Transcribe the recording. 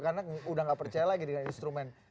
karena udah gak percaya lagi dengan instrumen